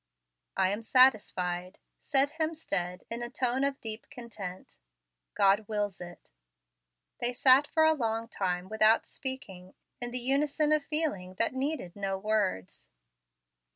"I am satisfied," said Hemstead, in a tone of deep content; "God wills it." They sat for a long time without speaking, in the unison of feeling that needed no words.